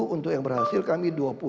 untuk yang berhasil kami dua puluh